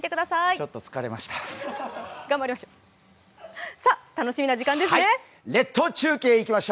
ちょっと疲れました。